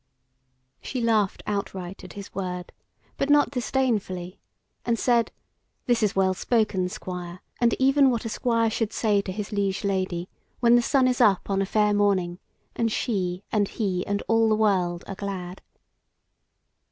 She laughed outright at his word, but not disdainfully, and said: "This is well spoken, Squire, and even what a squire should say to his liege lady, when the sun is up on a fair morning, and she and he and all the world are glad."